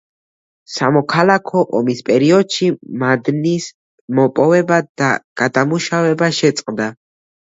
სამოქალაქო ომის პერიოდში მადნის მოპოვება და გადამუშავება შეწყდა.